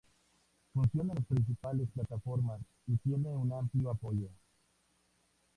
Funciona en las principales plataformas y tiene un amplio apoyo.